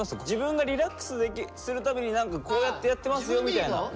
自分がリラックスするために何かこうやってやってますよみたいな。